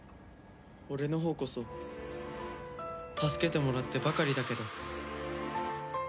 俺のほうこそ助けてもらってばかりだけど。